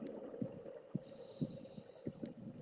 丁俊晖因亚运会赛程冲突退出超级联赛。